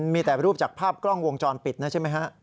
มีแต่รูปจากภาพกล้องวงจรปิดนะใช่ไหมฮะ